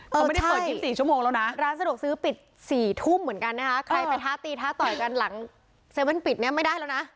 เออใช่ร้านสะดวกซื้อปิด๔ทุ่มเหมือนกันนะคะใครไปท่าตีท่าต่อยกันหลัง๗๑๑ปิดเนี่ยไม่ได้แล้วนะ